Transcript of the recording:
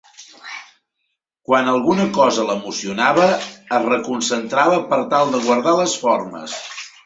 Quan alguna cosa l'emocionava, es reconcentrava per tal de guardar les formes.